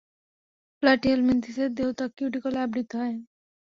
প্লাটিহেলমিনথেসের দেহত্বক কিউটিকলে আবৃত হয়।